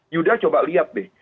yuda coba lihat deh